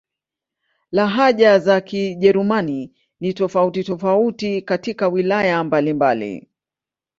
Lahaja za Kijerumani ni tofauti-tofauti katika wilaya mbalimbali.